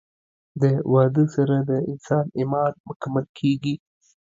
د واده سره د انسان ايمان مکمل کيږي